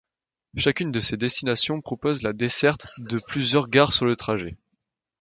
Chacune de ces destinations propose la desserte de plusieurs gares sur le trajet.